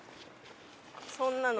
そんなの。